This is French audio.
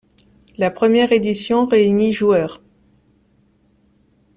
La première édition réunit joueurs.